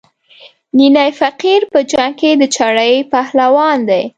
نینی فقیر په جنګ کې د چړې پهلوان دی.